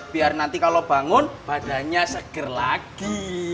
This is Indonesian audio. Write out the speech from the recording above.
biar nanti kalau bangun badannya seger lagi